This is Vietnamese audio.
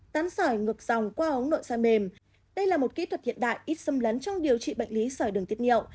tán sỏi ngược dòng qua ống nội soi mềm đây là một kỹ thuật hiện đại ít xâm lấn trong điều trị bệnh lý sỏi đường tiết niệu